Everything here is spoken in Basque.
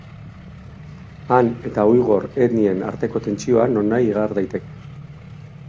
Han eta uigur etnien arteko tentsioa nonahi igar daiteke.